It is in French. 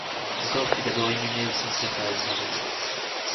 Son corps fut d'abord inhumé au cimetière parisien de Thiais.